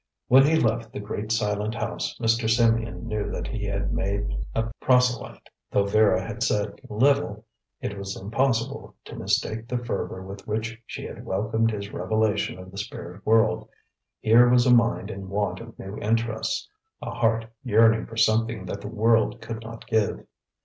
When he left the great, silent house Mr. Symeon knew that he had made a proselyte. Though Vera had said little, it was impossible to mistake the fervour with which she had welcomed his revelation of the spirit world. Here was a mind in want of new interests, a heart yearning for something that the world could not give.